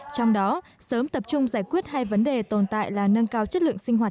trong đó sớm tập trung giải quyết hai vấn đề tồn tại là nâng cao chất lượng sinh hoạt